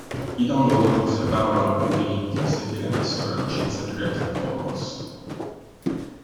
I download conservavano alcuni diritti, sebbene avessero la licenza Creative Commons.